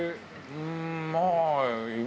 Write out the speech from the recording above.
うーんまあ。